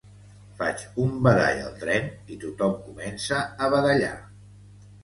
Faig un badall al tren i tothom comença a badallar